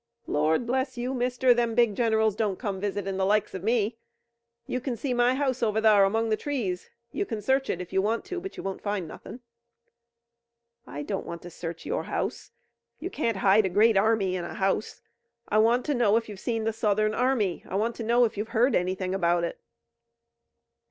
"Lord bless you, mister, them big generals don't come visitin' the likes o' me. You kin see my house over thar among the trees. You kin search it if you want to, but you won't find nothin'." "I don't want to search your house. You can't hide a great army in a house. I want to know if you've seen the Southern Army. I want to know if you've heard anything about it."